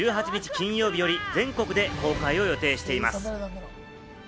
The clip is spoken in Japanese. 金曜日より全国で公開を予定しています。